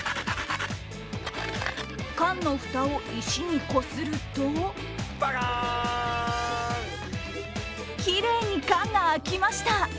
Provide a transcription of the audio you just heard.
缶の蓋を石にこするときれいに缶が開きました。